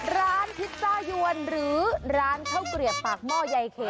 ร้านพิซซ่ายวนหรือร้านข้าวกรียบปากม่อยายเค